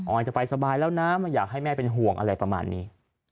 อยจะไปสบายแล้วนะไม่อยากให้แม่เป็นห่วงอะไรประมาณนี้